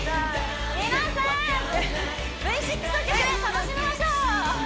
皆さんＶ６の曲で楽しみましょう！